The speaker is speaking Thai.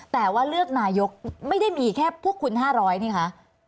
แต่ว่าเลือกนายกไม่ได้มีแค่พวกคุณ๕๐๐นี่คะ